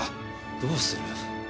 どうする？